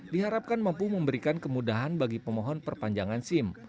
diharapkan mampu memberikan kemudahan bagi pemohon perpanjangan sim